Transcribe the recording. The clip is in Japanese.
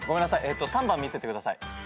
えっと３番見せてください。